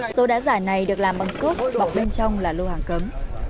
số đá giả này được làm bằng cốp bọc bên trong là lô hàng cấm